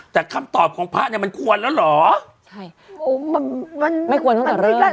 แต่คำตอบของพระเนี่ยมันควรแล้วเหรอใช่โอ้มันมันไม่ควรตั้งแต่เรื่อง